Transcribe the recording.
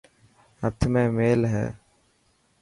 هٿ ۾ ميل هي.